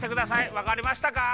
わかりましたか？